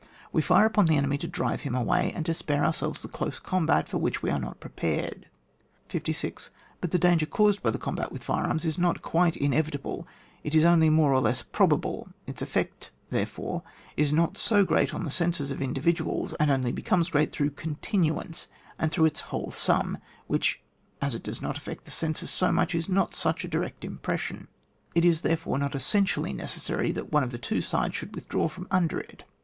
We fire upon the enemy to drive him away, and to spare ourselves the close combat for which we are not prepared. 56. But the danger caused by the com bat with fire arms is not quite inevita ble, it is only more or less probable : its effect, therefore, is not so great on the senses of individuals, and only becomes great through continuance and through its whole sum, wkich, as it does not affect the senses so much, is not such a direct impression. It is there fore not essentially necessary that one of the two sides should withdraw from under it.